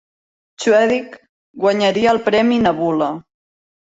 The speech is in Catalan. Chwedyk guanyaria el premi Nebula.